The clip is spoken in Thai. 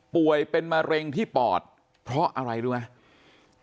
ป่วยเป็นมะเร็งที่ปอดเพราะอะไรรู้ไหม